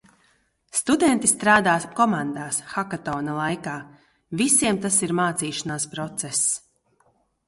Studenti strādā komandās hakatona laikā. Visiem tas ir mācīšanās process.